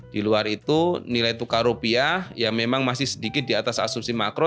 di luar itu nilai tukar rupiah ya memang masih sedikit di atas asumsi makro